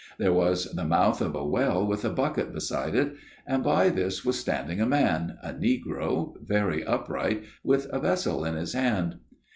There was the mouth of a well with a bucket f beside it ; and by this was standing a man, a negro, very upright, with a vessel in his hand.